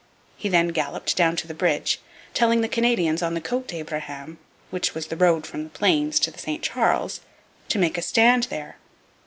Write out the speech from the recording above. He then galloped down to the bridge, telling the Canadians on the Cote d'Abraham, which was the road from the Plains to the St Charles, to make a stand there.